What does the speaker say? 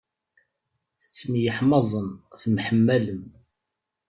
Tettemyeḥmaẓem temḥemmalem.